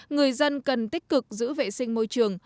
người dân cần tích cực giữ vệ sinh môi trường